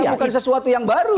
bukan sesuatu yang baru